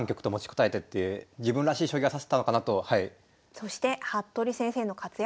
そして服部先生の活躍